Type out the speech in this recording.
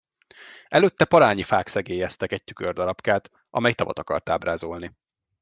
Előtte parányi fák szegélyeztek egy tükördarabkát, amely tavat akart ábrázolni.